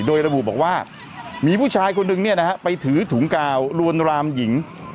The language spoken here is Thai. โดยระบุบอกว่ามีผู้ชายคนหนึ่งไปถือถุงกาวลวนรามหญิง